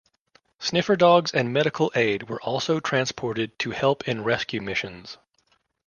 Sniffer dogs and medical aid were also transported to help in rescue missions.